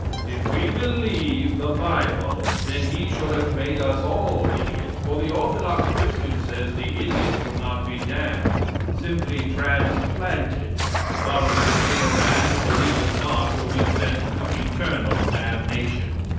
If we believe the bible then He should have made us all idiots, for the orthodox Christian says the idiots will not be damned, simply transplanted, while the sensible man, who believeth not, will be sent to eternal damnation?